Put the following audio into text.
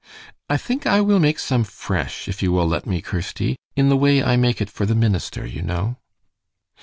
"I think I will make some fresh, if you will let me, Kirsty in the way I make it for the minister, you know."